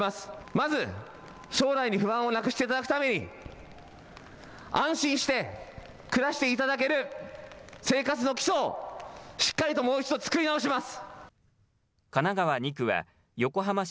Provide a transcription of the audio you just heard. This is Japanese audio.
まず将来に不安をなくしていただくために安心して暮らしていただける生活の基礎をしっかりともう一度作り直します。